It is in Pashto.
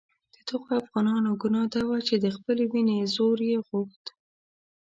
د دغو افغانانو ګناه دا وه چې د خپلې وینې زور یې غوښت.